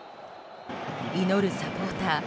祈るサポーター。